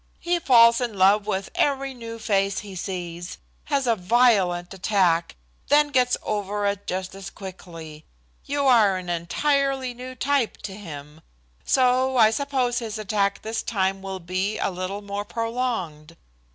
He falls in love with every new face he sees, has a violent attack, then gets over it just as quickly. You are an entirely new type to him, so I suppose his attack this time will be a little more prolonged.